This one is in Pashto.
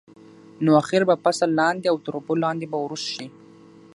نو اخر به فصل لاندې او تر اوبو لاندې به وروست شي.